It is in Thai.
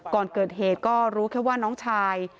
ก่อนเกิดเหตุก็รู้แค่ว่าน้องชาย